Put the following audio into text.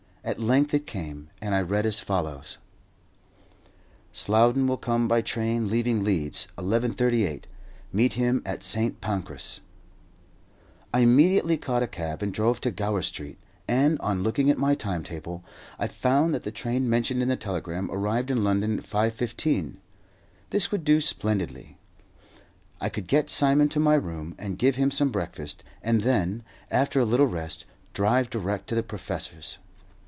At length it came, and I read as follows: "Slowden will come by train leaving Leeds 11.38. Meet him at St. Pancras." I immediately caught a cab and drove to Gower Street, and, on looking at my time table, I found that the train mentioned in the telegram arrived in London at 5.15. This would do splendidly. I could get Simon to my room and give him some breakfast, and then, after a little rest, drive direct to the professor's.